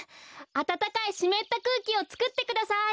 あたたかいしめったくうきをつくってください！